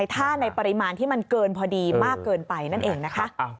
ถ้าในปริมาณที่มันเกินพอดีมากเกินไปนั่นเองนะคะ